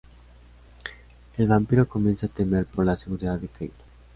El vampiro comienza a temer por la seguridad de Kate.